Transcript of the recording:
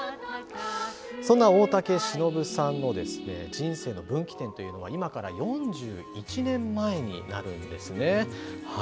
そんな大竹しのぶさんの人生の分岐点というのは、今から４１年前になるんですね。